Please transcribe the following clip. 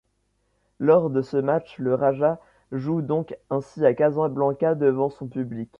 Lors de ce match le Raja joue donc ainsi à Casablanca devant son public.